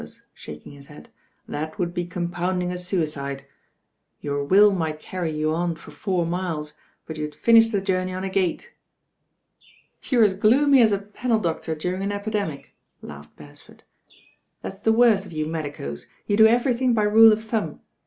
shaking his head, "that would be compounding a suicide. Your will might carry you on for four miles; but you'd finish the journey on a gate." "You're as gloomy as a panel doctor during an qjidemic," laughed Beresford. That's the worst of you medicos, you do everything by rule^of thumb.